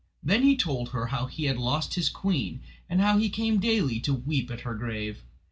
Then he told her how he had lost his queen, and how he came daily to weep at her grave.